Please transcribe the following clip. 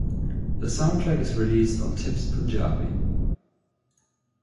The soundtrack is released on Tips Punjabi.